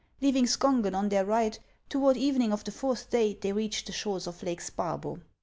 Leaving Skongen on their right, toward evening of the fourth day they readied the shores of Lake Sparbo.